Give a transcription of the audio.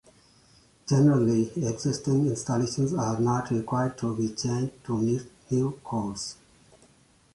Generally existing installations are not required to be changed to meet new codes.